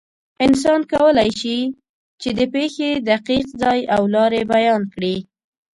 انسان کولی شي، چې د پېښې دقیق ځای او لارې بیان کړي.